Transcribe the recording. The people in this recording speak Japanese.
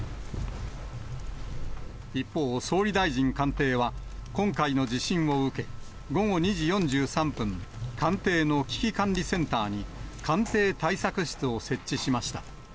一方、総理大臣官邸は、今回の地震を受け、午後２時４３分、官邸の危機管理センターに、官邸対策室を設置しました。